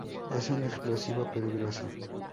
Es un explosivo peligroso.